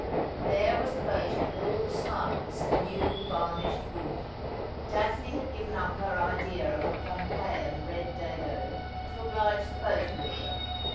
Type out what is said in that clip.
There was the boat in all the smartness of new varnished wood. Daphne had given up her idea of a Pompeian red dado to oblige the boat builder.